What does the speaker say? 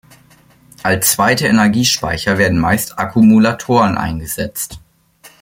Als zweite Energiespeicher werden meist Akkumulatoren eingesetzt.